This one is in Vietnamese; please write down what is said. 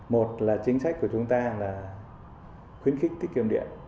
một là chính sách của chúng ta là khuyến khích tiết kiệm điện